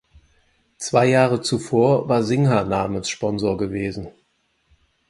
Zwei Jahre zuvor war Singha Namenssponsor gewesen.